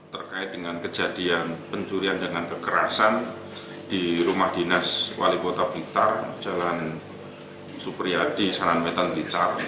terkait dengan kejadian pencurian dengan kekerasan di rumah dinas wali kota blitar jalan supriyadi saran metan blitar